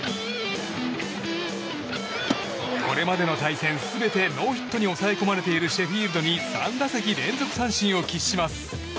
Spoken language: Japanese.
これまでの対戦全てノーヒットに抑え込まれているシェフィールドに３打席連続三振を喫します。